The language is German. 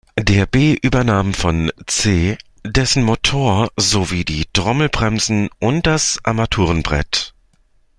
Der "B" übernahm vom "C" dessen Motor sowie die Trommelbremsen und das Armaturenbrett.